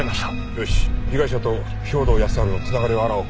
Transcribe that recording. よし被害者と兵働耕春の繋がりを洗おう。